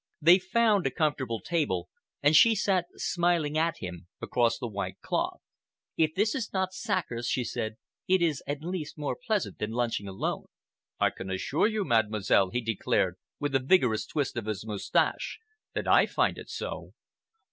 They found a comfortable table, and she sat smiling at him across the white cloth. "If this is not Sachers," she said, "it is at least more pleasant than lunching alone." "I can assure you, Mademoiselle," he declared, with a vigorous twirl of his moustache, "that I find it so."